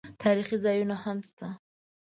تاریخي ځایونه هم شته.